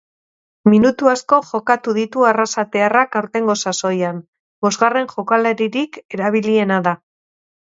Minutu asko jokatu ditu arrasatearrak aurtengo sasoian, bosgarren jokalaririk erabiliena da.